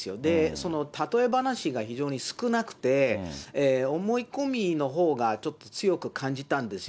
そのたとえ話が非常に少なくて、思い込みのほうがちょっと強く感じたんですよ。